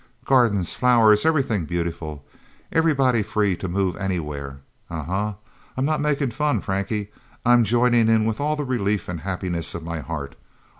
Gardens, flowers, everything beautiful. Everybody free to move anywhere. Uh uh I'm not making fun, Frankie. I'm joining in with all the relief and happiness of my heart.